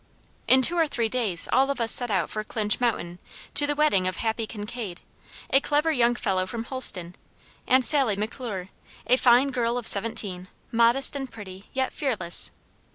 In two or three days all of us set out for Clinch Mountain to the wedding of Happy Kincaid, a clever young fellow from Holston, and Sally McClure, a fine girl of seventeen, modest and pretty, yet fearless.